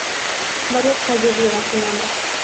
Varias calles llevan su nombre.